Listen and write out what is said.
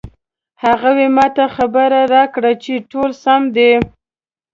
هغې ما ته خبر راکړ چې ټول سم دي